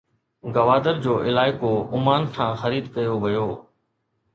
گوادر جو علائقو عمان کان خريد ڪيو ويو.